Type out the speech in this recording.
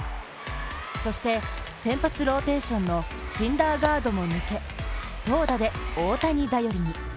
そして、先発ローテーションのシンダーガードも抜け投打で大谷頼りに。